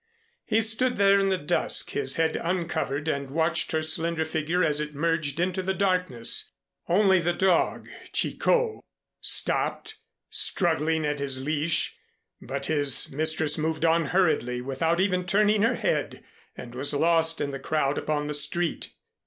He stood there in the dusk, his head uncovered, and watched her slender figure as it merged into the darkness. Only the dog, Chicot, stopped, struggling, at his leash, but its mistress moved on hurriedly without even turning her head and was lost in the crowd upon the street.